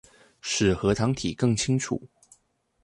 使核糖體更清楚